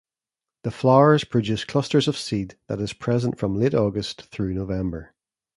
The flowers produce clusters of seed that is present from late August through November.